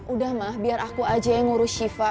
udah mah biar aku aja yang ngurus shiva